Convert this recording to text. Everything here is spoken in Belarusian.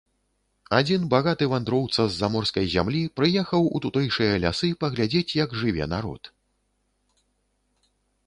Адзін багаты вандроўца з заморскай зямлі прыехаў у тутэйшыя лясы паглядзець, як жыве народ.